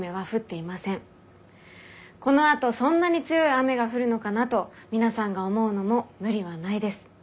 このあとそんなに強い雨が降るのかなと皆さんが思うのも無理はないです。